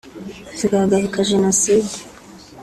zigahagarika Jenoside